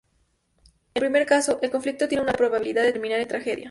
En el primer caso, el conflicto tiene una alta probabilidad de terminar en tragedia.